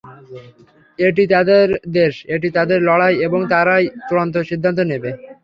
এটি তাদের দেশ, এটি তাদের লড়াই এবং তারাই চূড়ান্ত সিদ্ধান্ত নেবে।